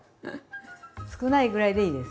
少ないぐらいでいいです。